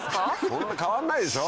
そんな変わんないでしょ。